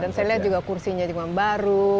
dan saya lihat juga kursinya juga baru